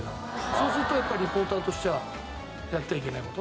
そうするとやっぱりリポーターとしてはやってはいけない事。